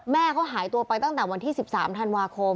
แม่เขาหายตัวไปตั้งแต่วันที่๑๓ธันวาคม